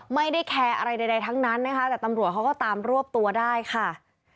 ไม่ได้แคร์อะไรใดทั้งนั้นนะคะแต่ตำรวจเขาก็ตามรวบตัวได้ค่ะ